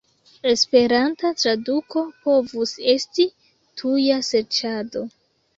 Esperanta traduko povus esti "tuja serĉado".